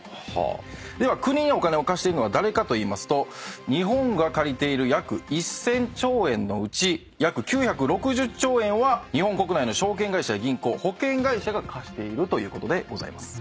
では国にお金を貸してるのは誰かといいますと日本が借りている約１，０００兆円のうち約９６０兆円は日本国内の証券会社や銀行保険会社が貸しているということでございます。